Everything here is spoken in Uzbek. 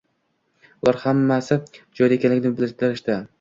Ular hammasi joyida ekanligini bildirishdi